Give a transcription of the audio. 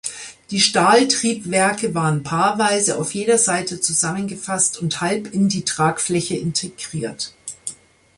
Die Strahltriebwerke waren paarweise auf jeder Seite zusammengefasst und halb in die Tragfläche integriert.